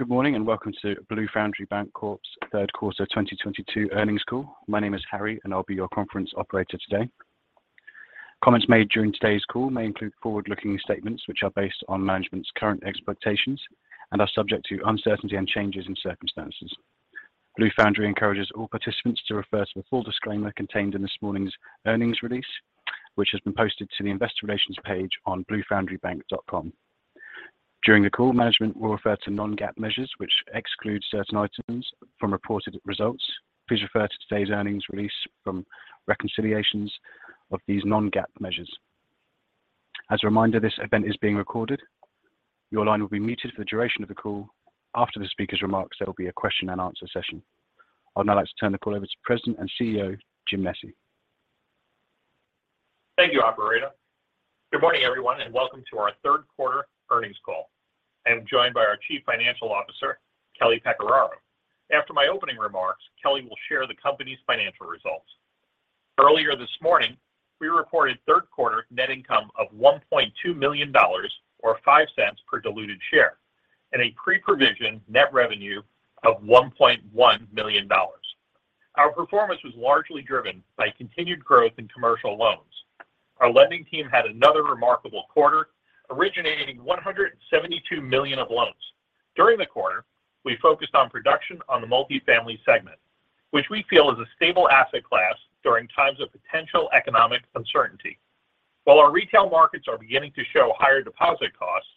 Good morning, and welcome to Blue Foundry Bancorp's Third Quarter 2022 Earnings Call. My name is Harry, and I'll be your conference operator today. Comments made during today's call may include forward-looking statements which are based on management's current expectations and are subject to uncertainty and changes in circumstances. Blue Foundry encourages all participants to refer to the full disclaimer contained in this morning's earnings release, which has been posted to the investor relations page on bluefoundrybank.com. During the call, management will refer to non-GAAP measures, which exclude certain items from reported results. Please refer to today's earnings release for reconciliations of these non-GAAP measures. As a reminder, this event is being recorded. Your line will be muted for the duration of the call. After the speaker's remarks, there will be a question and answer session. I'd now like to turn the call over to President and CEO, James D. Nesci. Thank you, operator. Good morning, everyone, and welcome to our Third Quarter Earnings Call. I'm joined by our Chief Financial Officer, Kelly Pecoraro. After my opening remarks, Kelly will share the company's financial results. Earlier this morning, we reported third quarter net income of $1.2 million or $0.05 per diluted share and a pre-provision net revenue of $1.1 million. Our performance was largely driven by continued growth in commercial loans. Our lending team had another remarkable quarter, originating $172 million of loans. During the quarter, we focused on production on the multifamily segment, which we feel is a stable asset class during times of potential economic uncertainty. While our retail markets are beginning to show higher deposit costs,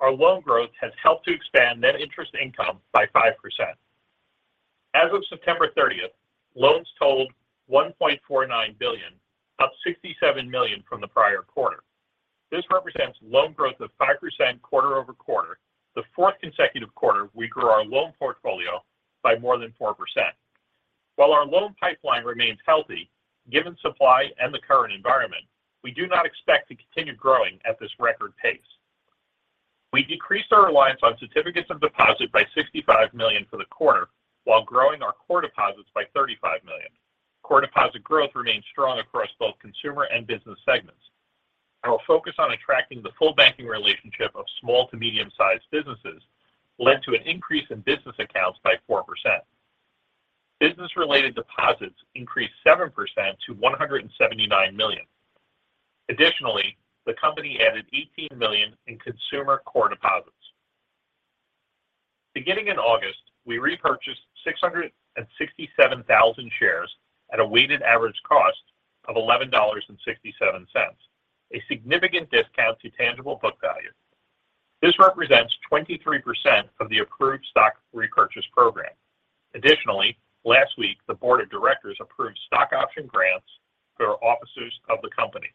our loan growth has helped to expand net interest income by 5%. As of September 30th, loans totaled $1.49 billion, up $67 million from the prior quarter. This represents loan growth of 5% quarter-over-quarter, the fourth consecutive quarter we grew our loan portfolio by more than 4%. While our loan pipeline remains healthy, given supply and the current environment, we do not expect to continue growing at this record pace. We decreased our reliance on certificates of deposit by $65 million for the quarter while growing our core deposits by $35 million. Core deposit growth remains strong across both consumer and business segments. Our focus on attracting the full banking relationship of small to medium-sized businesses led to an increase in business accounts by 4%. Business-related deposits increased 7% to $179 million. Additionally, the company added $18 million in consumer core deposits. Beginning in August, we repurchased 667,000 shares at a weighted average cost of $11.67, a significant discount to tangible book value. This represents 23% of the approved stock repurchase program. Additionally, last week, the board of directors approved stock option grants to our officers of the company.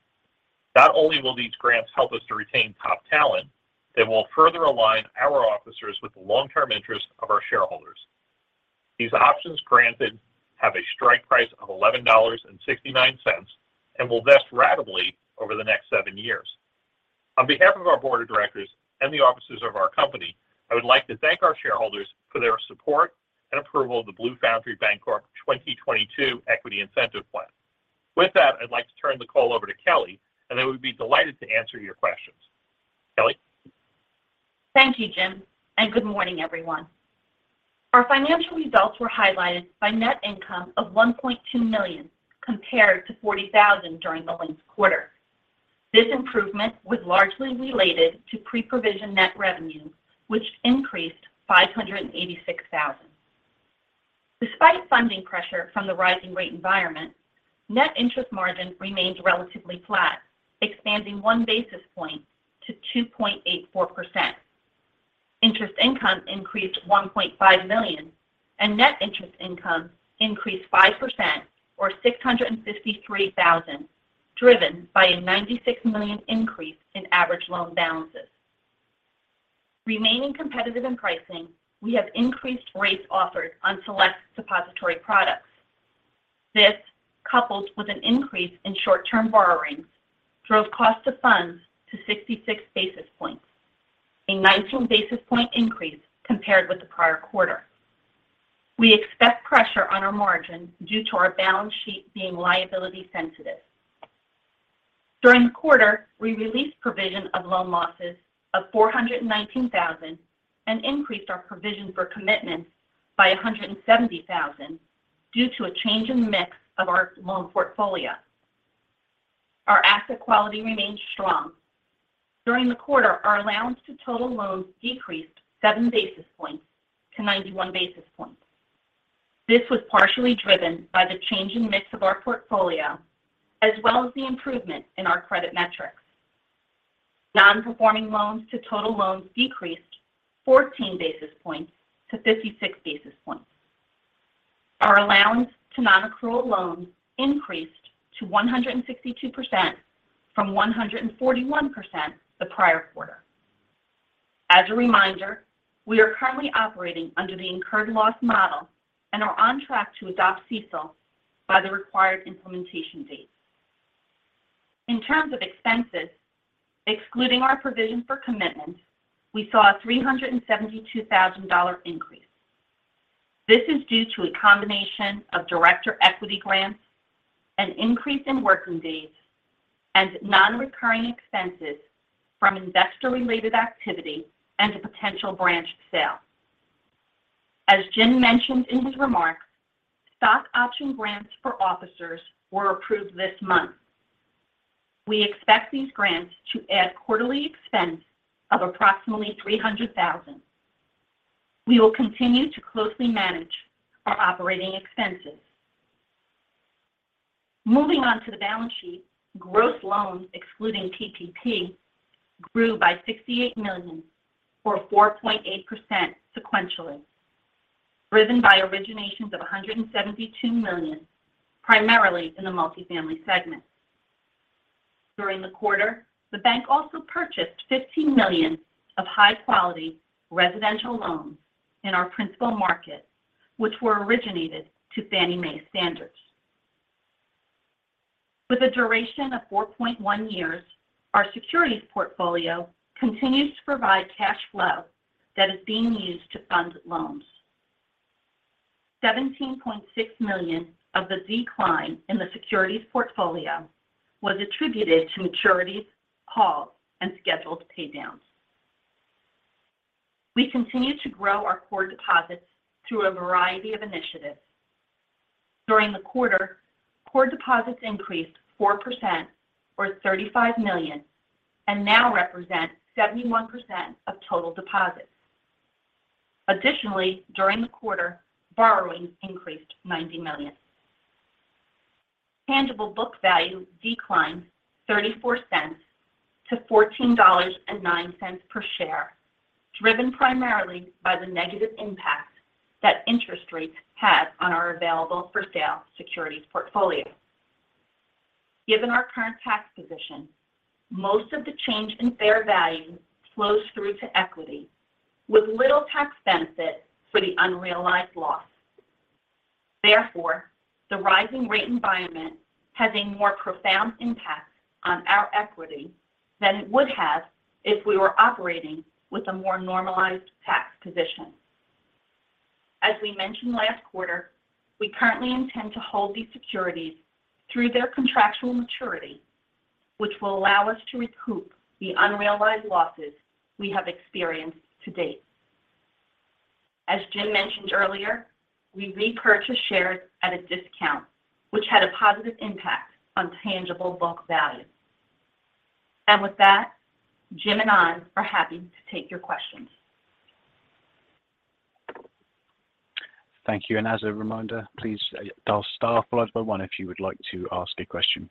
Not only will these grants help us to retain top talent, they will further align our officers with the long-term interest of our shareholders. These options granted have a strike price of $11.69 and will vest ratably over the next seven years. On behalf of our Board of Directors and the officers of our company, I would like to thank our shareholders for their support and approval of the Blue Foundry Bancorp 2022 Equity Incentive Plan. With that, I'd like to turn the call over to Kelly, and then we'd be delighted to answer your questions. Kelly. Thank you, Jim, and good morning, everyone. Our financial results were highlighted by net income of $1.2 million compared to $40,000 during the linked quarter. This improvement was largely related to pre-provision net revenue, which increased $586,000. Despite funding pressure from the rising rate environment, net interest margin remains relatively flat, expanding one basis point to 2.84%. Interest income increased $1.5 million, and net interest income increased 5% or $653,000, driven by a $96 million increase in average loan balances. Remaining competitive in pricing, we have increased rates offered on select depository products. This, coupled with an increase in short-term borrowings, drove cost of funds to 66 basis points, a 19 basis point increase compared with the prior quarter. We expect pressure on our margin due to our balance sheet being liability sensitive. During the quarter, we released provision for loan losses of $419 thousand and increased our provision for commitments by $170 thousand due to a change in mix of our loan portfolio. Our asset quality remains strong. During the quarter, our allowance to total loans decreased seven basis points-91 basis points. This was partially driven by the change in mix of our portfolio, as well as the improvement in our credit metrics. Non-performing loans to total loans decreased 14 basis points-56 basis points. Our allowance to non-accrual loans increased to 162% from 141% the prior quarter. As a reminder, we are currently operating under the incurred loss model and are on track to adopt CECL by the required implementation date. In terms of expenses, excluding our provision for commitment, we saw a $372,000 increase. This is due to a combination of director equity grants, an increase in working days, and non-recurring expenses from investor-related activity and a potential branch sale. As Jim mentioned in his remarks, stock option grants for officers were approved this month. We expect these grants to add quarterly expense of approximately $300,000. We will continue to closely manage our operating expenses. Moving on to the balance sheet, gross loans excluding PPP grew by $68 million or 4.8% sequentially, driven by originations of $172 million, primarily in the multifamily segment. During the quarter, the bank also purchased $15 million of high quality residential loans in our principal market, which were originated to Fannie Mae standards. With a duration of 4.1 years, our securities portfolio continues to provide cash flow that is being used to fund loans. $17.6 million of the decline in the securities portfolio was attributed to maturities, calls, and scheduled pay downs. We continue to grow our core deposits through a variety of initiatives. During the quarter, core deposits increased 4% or $35 million and now represent 71% of total deposits. Additionally, during the quarter, borrowing increased $90 million. Tangible book value declined $0.34-$14.09 per share, driven primarily by the negative impact that interest rates had on our available for sale securities portfolio. Given our current tax position, most of the change in fair value flows through to equity with little tax benefit for the unrealized loss. Therefore, the rising rate environment has a more profound impact on our equity than it would have if we were operating with a more normalized tax position. As we mentioned last quarter, we currently intend to hold these securities through their contractual maturity, which will allow us to recoup the unrealized losses we have experienced to date. As Jim mentioned earlier, we repurchased shares at a discount, which had a positive impact on tangible book value. With that, Jim and I are happy to take your questions. Thank you. As a reminder, please dial star followed by one if you would like to ask a question.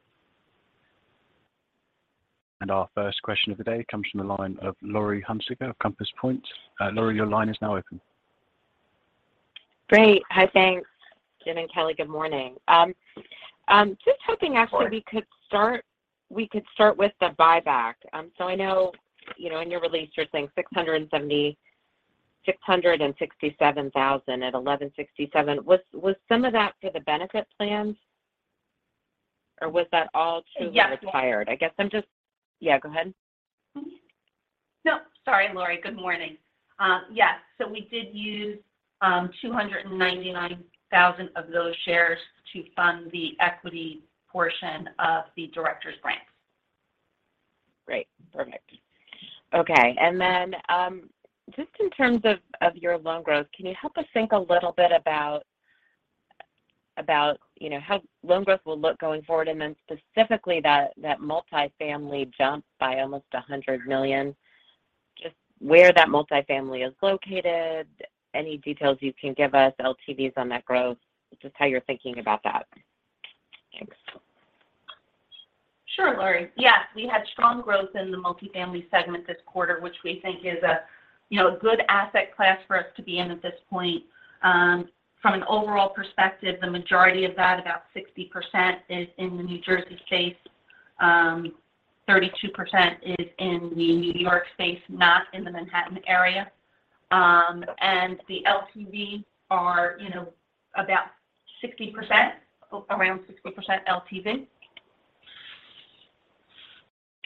Our first question of the day comes from the line of Laurie Hunsicker of Compass Point. Laurie, your line is now open. Great. Hi. Thanks, Jim and Kelly. Good morning. I'm just hoping actually we could start with the buyback. So I know, you know, in your release you're saying 667,000 at $11.67. Was some of that for the benefit plans, or was that all to the retirees? Yes. Yeah, go ahead. No. Sorry, Laurie. Good morning. Yes. We did use 299,000 of those shares to fund the equity portion of the directors' grants. Great. Perfect. Okay. Just in terms of your loan growth, can you help us think a little bit about, you know, how loan growth will look going forward and then specifically that multifamily jump by almost $100 million, just where that multifamily is located, any details you can give us, LTVs on that growth, just how you're thinking about that? Thanks. Sure, Laurie. Yes. We had strong growth in the multifamily segment this quarter, which we think is a you know good asset class for us to be in at this point. From an overall perspective, the majority of that, about 60% is in the New Jersey space. 32% is in the New York space, not in the Manhattan area. The LTV are you know about 60%, around 60% LTV.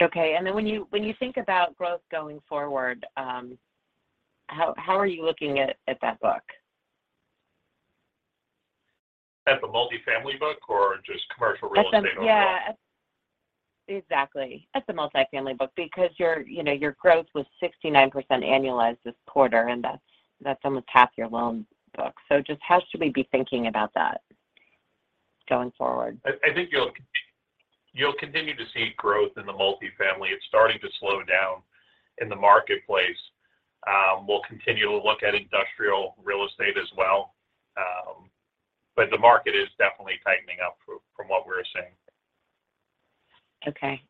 Okay. When you think about growth going forward, how are you looking at that book? At the multifamily book or just commercial real estate overall? Yeah. Exactly. At the multifamily book because your, you know, your growth was 69% annualized this quarter, and that's almost half your loan book. So just how should we be thinking about that going forward? I think you'll continue to see growth in the multifamily. It's starting to slow down in the marketplace. We'll continue to look at industrial real estate as well. The market is definitely tightening up from what we're seeing. Okay.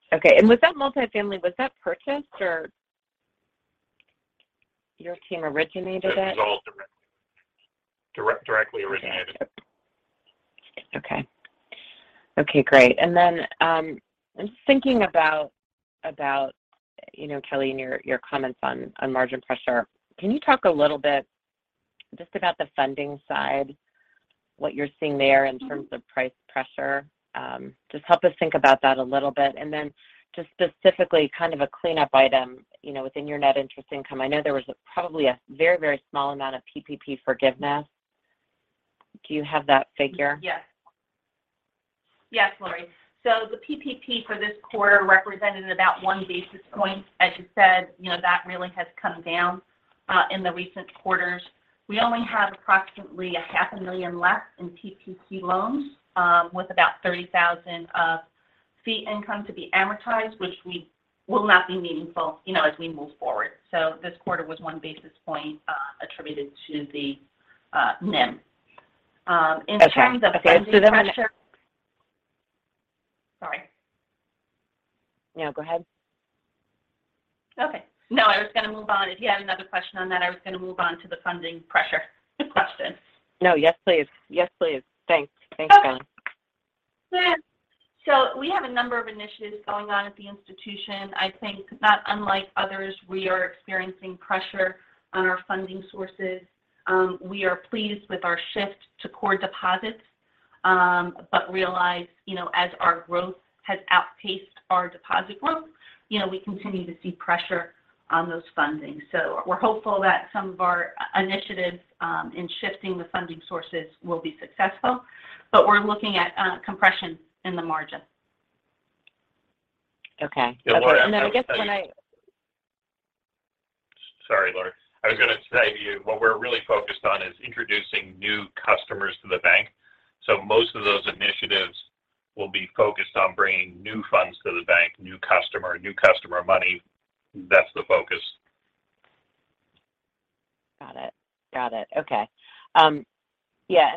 With that multifamily, was that purchased or your team originated it? That was all directly originated. Okay. Okay, great. I'm thinking about, you know, Kelly, in your comments on margin pressure. Can you talk a little bit just about the funding side? What you're seeing there in terms of price pressure, just help us think about that a little bit. Just specifically kind of a cleanup item, you know, within your net interest income. I know there was probably a very small amount of PPP forgiveness. Do you have that figure? Yes. Yes, Laurie. The PPP for this quarter represented about one basis point. As you said, you know, that really has come down in the recent quarters. We only have approximately a $500,000 left in PPP loans, with about $30,000 of fee income to be amortized, which will not be meaningful, you know, as we move forward. This quarter was one basis point attributed to the NIM. In terms of- Okay. I'm gonna Sorry. No, go ahead. Okay. No, I was gonna move on. If you had another question on that, I was gonna move on to the funding pressure question. No. Yes, please. Yes, please. Thanks. Thanks, Kelly. Okay. We have a number of initiatives going on at the institution. I think not unlike others, we are experiencing pressure on our funding sources. We are pleased with our shift to core deposits, but realize, you know, as our growth has outpaced our deposit growth, you know, we continue to see pressure on those fundings. We're hopeful that some of our initiatives in shifting the funding sources will be successful, but we're looking at compression in the margin. Okay. Yeah. I guess when I. Sorry, Laurie. I was gonna say to you, what we're really focused on is introducing new customers to the bank. Most of those initiatives will be focused on bringing new funds to the bank, new customer money. That's the focus. Got it. Okay. Yeah.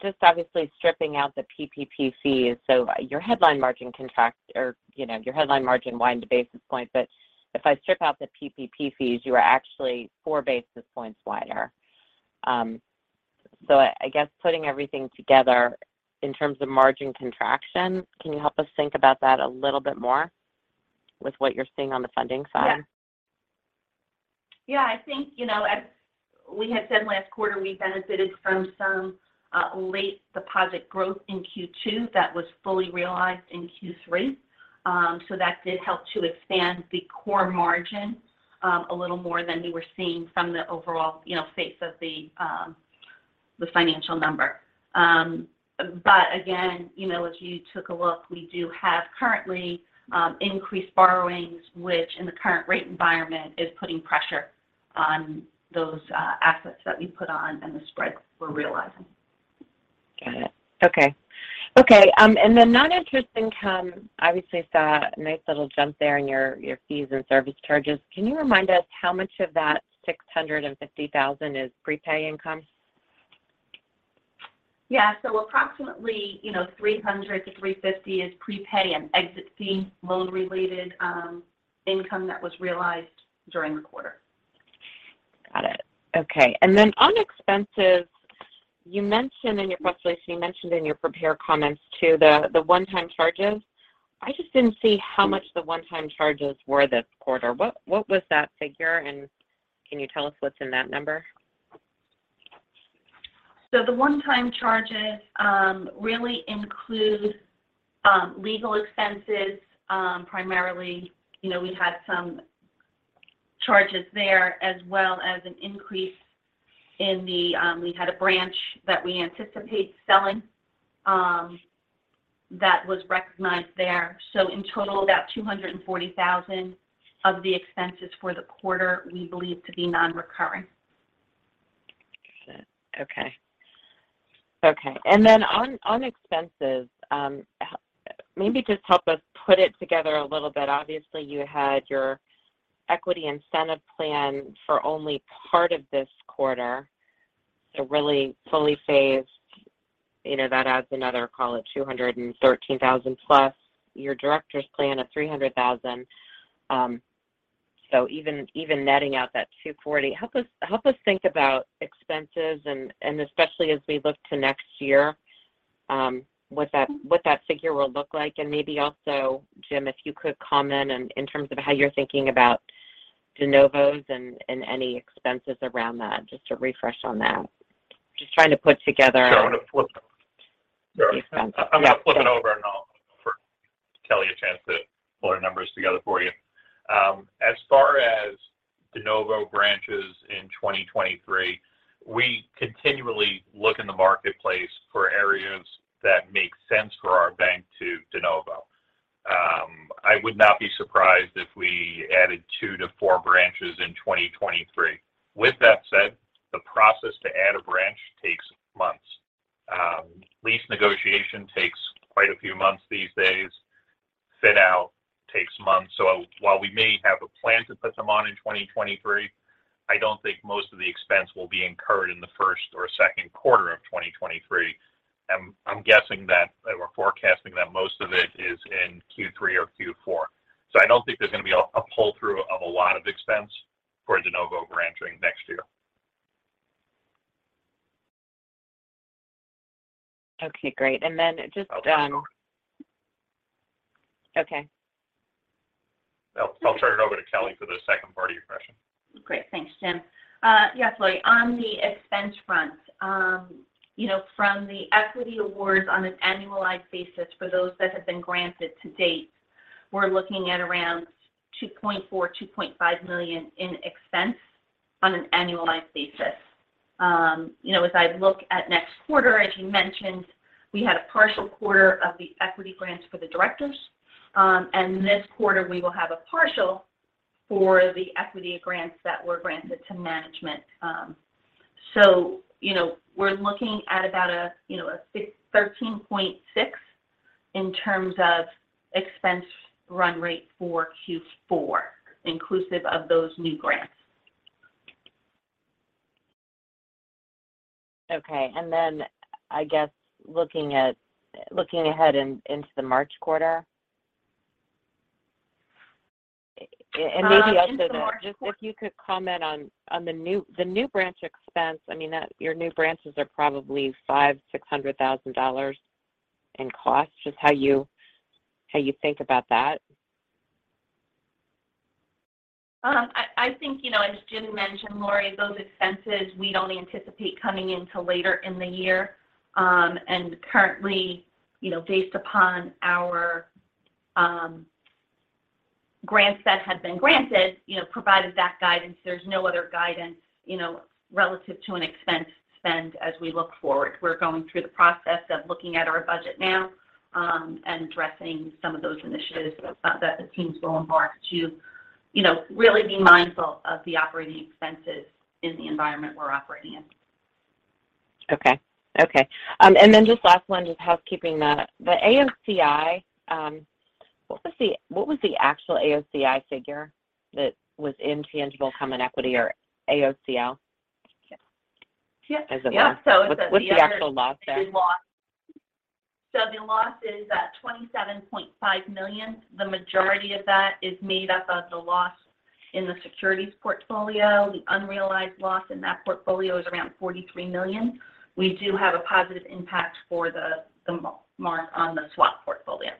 Just obviously stripping out the PPP fees. Your headline margin contraction, you know, your headline margin widened a basis point. If I strip out the PPP fees, you are actually four basis points wider. I guess putting everything together in terms of margin contraction, can you help us think about that a little bit more with what you're seeing on the funding side? Yeah. Yeah. I think, you know, as we had said last quarter, we benefited from some late deposit growth in Q2 that was fully realized in Q3. That did help to expand the core margin a little more than you were seeing from the overall, you know, face of the financial number. Again, you know, as you took a look, we do have currently increased borrowings, which in the current rate environment is putting pressure on those assets that we put on and the spreads we're realizing. Got it. Okay. The non-interest income obviously saw a nice little jump there in your fees and service charges. Can you remind us how much of that $650,000 is prepay income? Yeah. Approximately, you know, $300-$350 is prepay and exit fee loan-related income that was realized during the quarter. Got it. Okay. On expenses, you mentioned in your press release, you mentioned in your prepared comments too, the one-time charges. I just didn't see how much the one-time charges were this quarter. What was that figure, and can you tell us what's in that number? The one-time charges really include legal expenses primarily. You know, we had some charges there. We had a branch that we anticipate selling that was recognized there. In total, about $240,000 of the expenses for the quarter we believe to be non-recurring. Got it. Okay. Okay. Then on expenses, maybe just help us put it together a little bit. Obviously, you had your equity incentive plan for only part of this quarter, so really fully phased. You know, that adds another, call it $213,000+. Your directors plan of $300,000, so even netting out that $240. Help us think about expenses and especially as we look to next year, what that figure will look like. Maybe also, Jim, if you could comment in terms of how you're thinking about de novos and any expenses around that, just to refresh on that. Just trying to put together. Sure. The expenses. Yeah. I'm gonna flip it over, and I'll offer Kelly a chance to pull her numbers together for you. As far as de novo branches in 2023, we continually look in the marketplace for areas that make sense for our bank to de novo. I would not be surprised if we added two to four branches in 2023. With that said, the process to add a branch takes months. Lease negotiation takes quite a few months these days. Fit out takes months. While we may have a plan to put some on in 2023, I don't think most of the expense will be incurred in the first or second quarter of 2023. I'm guessing that or forecasting that most of it is in Q3 or Q4. I don't think there's gonna be a pull-through of a lot of expense for de novo branching next year. Okay, great. Okay. I'll turn it over to Kelly for the second part of your question. Great. Thanks, Jim. Yes, Laurie, on the expense front, you know, from the equity awards on an annualized basis for those that have been granted to date, we're looking at around $2.4 million-$2.5 million in expense on an annualized basis. You know, as I look at next quarter, as you mentioned, we had a partial quarter of the equity grants for the directors. This quarter we will have a partial for the equity grants that were granted to management. You know, we're looking at about a $13.6 million in terms of expense run rate for Q4, inclusive of those new grants. Okay. I guess looking ahead into the March quarter. Into the March quarter. Just if you could comment on the new branch expense. I mean, your new branches are probably $500,000-$600,000 in cost. Just how you think about that. I think, you know, as Jim mentioned, Laurie, those expenses we don't anticipate coming in till later in the year. Currently, you know, based upon our grants that have been granted, you know, provided that guidance, there's no other guidance, you know, relative to an expense spend as we look forward. We're going through the process of looking at our budget now, and addressing some of those initiatives so it's not that the teams go embarked to, you know, really be mindful of the operating expenses in the environment we're operating in. Okay. Just last one, just housekeeping. The AOCI, what was the actual AOCI figure that was in tangible common equity or AOCL? Yes. Is it that? Yeah. What's the actual loss there? The loss. The loss is at $27.5 million. The majority of that is made up of the loss in the securities portfolio. The unrealized loss in that portfolio is around $43 million. We do have a positive impact for the mark on the swap portfolio,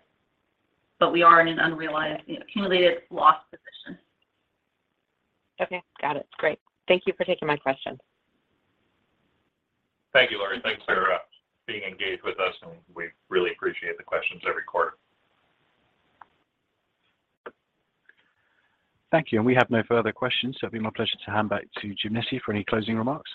but we are in an unrealized, you know, accumulated loss position. Okay. Got it. Great. Thank you for taking my question. Thank you, Laurie. Thanks for being engaged with us, and we really appreciate the questions every quarter. Thank you. We have no further questions, so it'd be my pleasure to hand back to Jim Nesci for any closing remarks.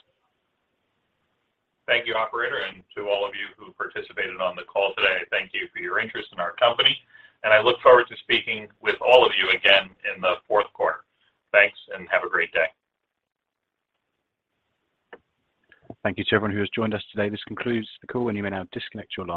Thank you, operator, and to all of you who participated on the call today. Thank you for your interest in our company, and I look forward to speaking with all of you again in the fourth quarter. Thanks, and have a great day. Thank you to everyone who has joined us today. This concludes the call, and you may now disconnect your line.